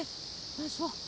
よいしょ。